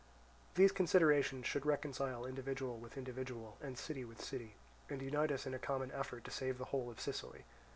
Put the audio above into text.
These considerations should reconcile individual with individual, and city with city, and unite us in a common effort to save the whole of Sicily.